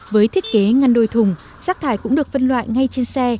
với thiết kế ngăn đôi thùng rác thải cũng được phân loại ngay trên xe